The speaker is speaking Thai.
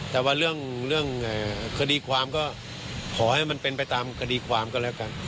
แต่ว่าเรื่องคดีความก็ขอให้มันเป็นไปตามคดีความก็แล้วกัน